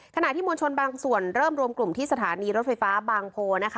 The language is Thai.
ขณะที่มวลชนบางส่วนเริ่มรวมกลุ่มที่สถานีรถไฟฟ้าบางโพนะคะ